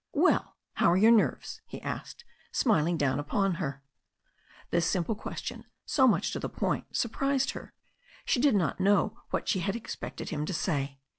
"Well, how are your nerves?" he asked, smiling down upon her. This simple question, so much to the point, surprised her. She did not know what she had expected him to say.